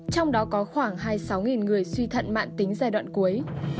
trong đó có khoảng hai mươi sáu người suy thận mạng tính giai đoạn cuối